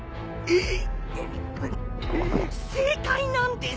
えっ？